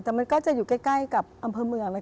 แต่มันก็จะอยู่ใกล้กับอำเภอเมือง